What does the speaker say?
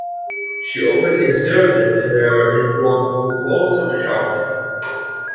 She often exerted her influence through bouts of shouting.